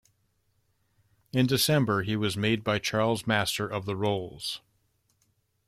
In December he was made by Charles Master of the Rolls.